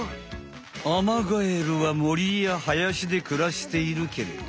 アマガエルはもりやはやしでくらしているけれど。